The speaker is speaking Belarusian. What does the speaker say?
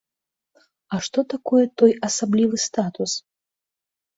А што такое той асаблівы статус?